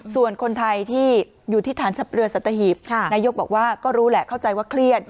ส่วนคนไทยที่อยู่ที่ฐานทัพเรือสัตหีบนายกบอกว่าก็รู้แหละเข้าใจว่าเครียด